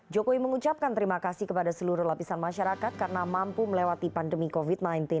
jokowi mengucapkan terima kasih kepada seluruh lapisan masyarakat karena mampu melewati pandemi covid sembilan belas